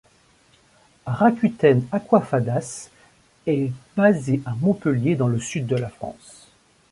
Rakuten Aquafadas est basée à Montpellier dans le sud de la France.